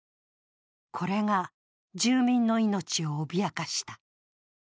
これが住民の命を脅かした。